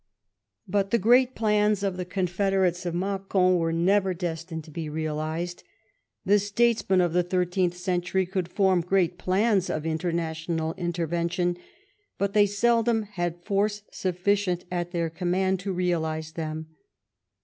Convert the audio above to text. But the great plans of the confederates of Macon were never destined to be realised. The statesmen of the thirteenth century could form great plans of international inter vention, but they seldom had force sufficient at their command to realise them.